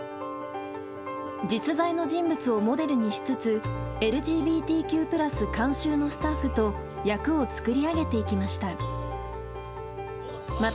実在の人物をモデルにしつつＬＧＢＴＱ＋監修のスタッフと役を作り上げていきました。